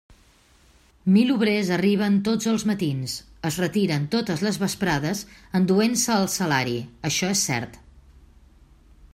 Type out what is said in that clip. Mil obrers arriben tots els matins, es retiren totes les vesprades, enduent-se el salari, això és cert.